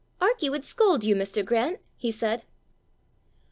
"Arkie would scold you, Mr. Grant!" he said.